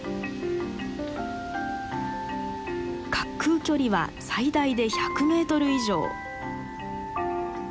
滑空距離は最大で１００メートル以上。